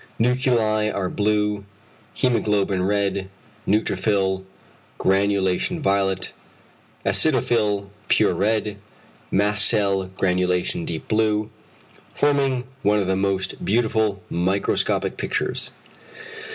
Nuclei are blue, hæmoglobin red, neutrophil granulation violet, acidophil pure red, mast cell granulation deep blue, forming one of the most beautiful microscopic pictures.